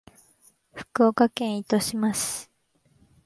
福岡県糸島市